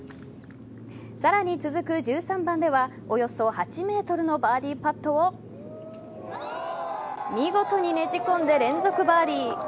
さらに続く１３番ではおよそ８ｍのバーディーパットを見事にねじ込んで連続バーディー。